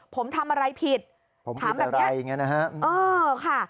ผมทำอะไรผิดผมทำอะไรอย่างเงี้นะฮะเออค่ะ